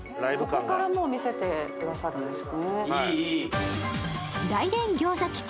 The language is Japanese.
ここから見せてくださるんですか。